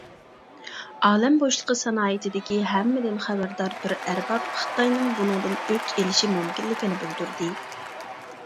ئالەم بوشلۇقى سانائىتىدىكى ھەممىدىن خەۋەردار بىر ئەرباب خىتاينىڭ بۇنىڭدىن ئۆچ ئېلىشى مۇمكىنلىكىنى بىلدۈردى.